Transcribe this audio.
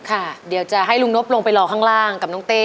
ค่ะเดี๋ยวจะให้ลุงนบลงไปรอข้างล่างกับน้องเต้